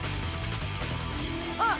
あっ！